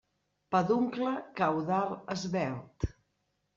Peduncle caudal esvelt.